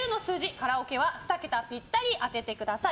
カラオケは２桁ぴったり当ててください。